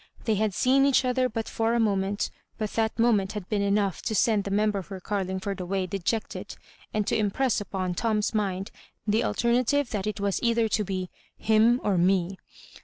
They had seen each other but for a mo ment, but that moment had been enough to send the Member for Oarlingford away deject ed, and to impress upon Tom's mind the alter native that it was either to be "Mm or me."